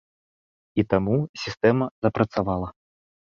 І таму сістэма запрацавала.